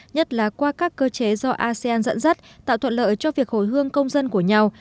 nhất là qua các cơ chế do asean dẫn dắt tạo thuận lợi cho việc hồi hương công dân của nhau